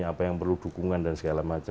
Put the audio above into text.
apa yang perlu dukungan dan segala macam